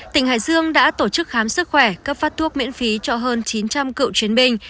tỉnh hải dương đã tổ chức khám sức khỏe cấp phát thuốc miễn phí cho hơn chín trăm linh cựu chiến binh